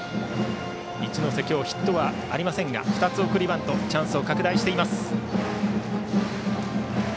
一ノ瀬は今日ヒットはありませんが２つ送りバントチャンスを拡大しています。